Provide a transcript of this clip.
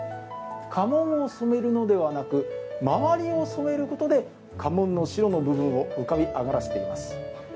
家紋を染めるのではなく周りを染めることで家紋の白の部分を浮かび上がらせています。